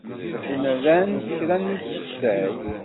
Medden ran kra n ufessay.